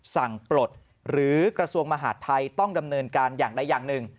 ปลดหรือกระทรวงมหาดไทยต้องดำเนินการอย่างใดอย่างหนึ่ง